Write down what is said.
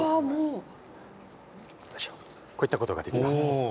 こういったことができます。